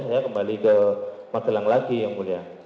saya kembali ke magelang lagi yang mulia